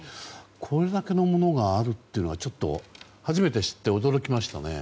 これだけのものがあるというのはちょっと、初めて知って驚きましたね。